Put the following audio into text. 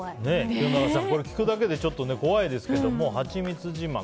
清永さん、これ聞くだけでちょっと怖いですけど「はちみつじまん」。